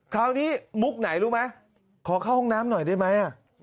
คราวนี้มุกไหนรู้ไหมขอเข้าห้องน้ำหน่อยได้ไหม